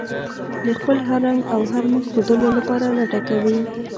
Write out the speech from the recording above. د خپل هر رنګ او هر مخ ښودلو لپاره لټه کوي.